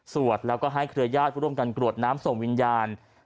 แล้วก็ให้เครือญาติผู้ร่วมกันกรวดน้ำส่งวิญญาณ